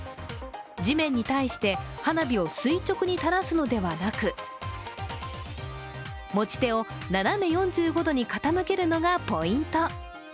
地面に対して花火を垂直に垂らすのではなく、持ち手を斜め４５度に傾けるのがポイント。